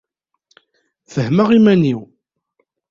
fehmeɣ iman-iw.